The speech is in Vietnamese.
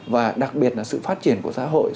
và đặc biệt là sự phát triển của xã hội